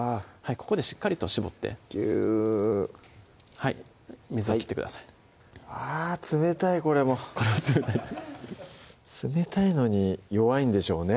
ここでしっかりと絞ってギュはい水を切ってくださいあ冷たいこれも冷たいのに弱いんでしょうね